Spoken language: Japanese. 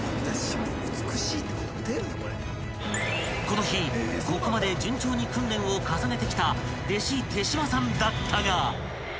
［この日ここまで順調に訓練を重ねてきた弟子手島さんだったが］